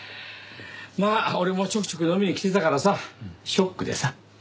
まあ俺もちょくちょく飲みに来てたからさショックでさ。